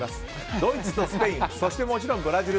ドイツとスペインそしてもちろんブラジル。